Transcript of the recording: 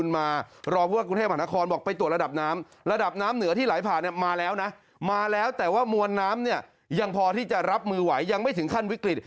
มัวน้ำยังพอที่จะรับมือไหวยังไม่ถึงขั้นวิกฤต